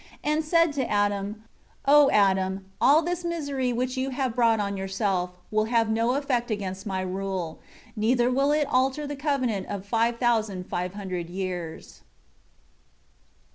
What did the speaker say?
9 And said to Adam, "O Adam, all this misery which you have brought on yourself, will have no affect against My rule, neither will it alter the covenant of the 5, 500 years."